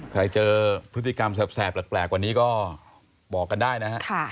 เจอพฤติกรรมแสบแปลกกว่านี้ก็บอกกันได้นะฮะ